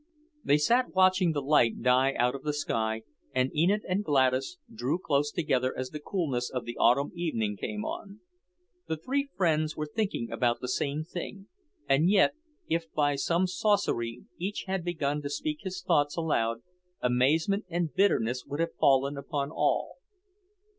They sat watching the light die out of the sky, and Enid and Gladys drew close together as the coolness of the autumn evening came on. The three friends were thinking about the same thing; and yet, if by some sorcery each had begun to speak his thoughts aloud, amazement and bitterness would have fallen upon all.